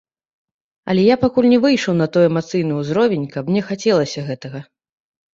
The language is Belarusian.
Але я пакуль не выйшаў на той эмацыйны ўзровень, каб мне хацелася гэтага.